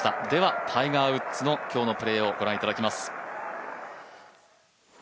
ではタイガー・ウッズの今日のプレーをご覧いただきます。